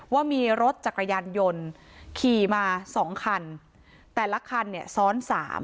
ว่ามีรถจักรยานยนต์ขี่มาสองคันแต่ละคันเนี่ยซ้อน๓